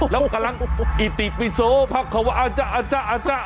แล้วกำลังอิติปิโซพักเขาว่าอาจ๊ะอาจ๊ะอาจ๊ะ